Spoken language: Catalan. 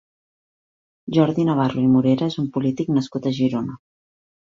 Jordi Navarro i Morera és un polític nascut a Girona.